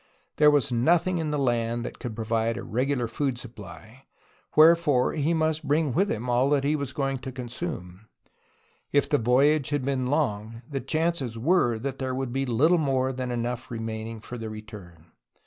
There was nothing in the land that could provide a regular food supply, wherefore he must bring with him all that he was going to consume. If the voyage had been long, the chances were that there would be little more than enough remaining for the return.